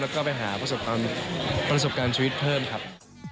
แล้วก็ไปหาประสบการณ์ชีวิตเพิ่มครับ